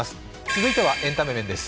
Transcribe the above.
続いてはエンタメ面です。